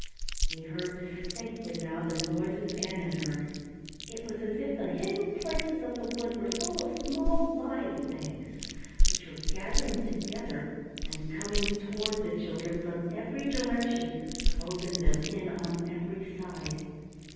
He heard distinctly now the noises Ann had heard. It was as if the hidden places of the wood were full of small live things which were gathering together and coming toward the children from every direction, closing them in on every side.